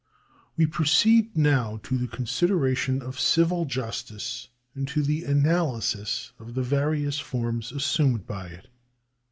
We proceed now to the consideration of civil justice and to the analysis of the various forms assumed by it.